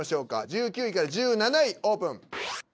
１９位１７位オープン。